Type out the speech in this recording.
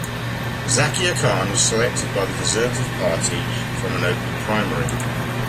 Zakir Khan was selected by the Conservative Party from an open primary.